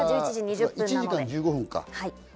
１時間１５分か。